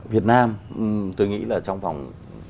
việt nam tôi nghĩ là trong vòng